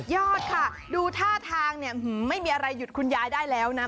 ยอดค่ะดูท่าทางเนี่ยไม่มีอะไรหยุดคุณยายได้แล้วนะ